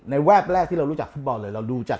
แวบแรกที่เรารู้จักฟุตบอลเลยเราดูจาก